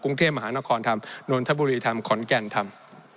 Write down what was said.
กรุงเทพมหานครทำนนทบุรีทำขอนแก่นทำ